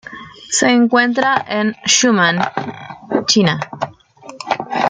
Se encuentra en Yunnan, China.